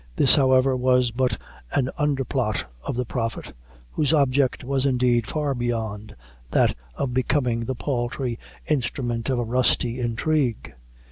This, however, was but an under plot of the Prophet, whose object was indeed far beyond that of becoming the paltry instrument of a rusty intrigue.